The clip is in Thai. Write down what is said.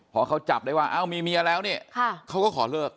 พอเขาจับได้ว่าเอ้ามีเมียแล้วเนี่ยเขาก็ขอเลิก